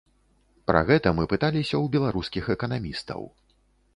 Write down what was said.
Пра гэта мы пыталіся ў беларускіх эканамістаў.